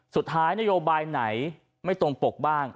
สุดท้ายนโยบายไหนไม่ตรงปกบ้าง